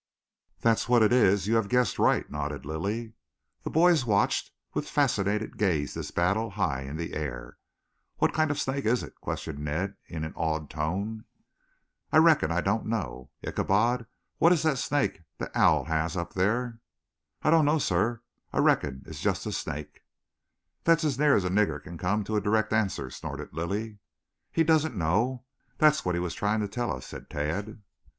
"That's what it is. You have guessed right," nodded Lilly. The boys watched with fascinated gaze this battle high in the air. "What kind of snake is it?" questioned Ned in an awed tone. "I reckon I don't know. Ichabod, what is that snake the owl has up there?" "Ah doan' know, sah. Ah reckon it am jest snake." "That is as near as a nigger can get to a direct answer," snorted Lilly. "He doesn't know. That was what he was trying to tell us," said Tad.